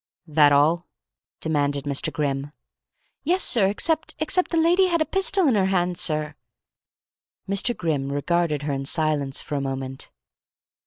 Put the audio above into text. "That all?" demanded Mr. Grimm. "Yes, sir, except except the lady had a pistol in her hand, sir " Mr. Grimm regarded her in silence for a moment.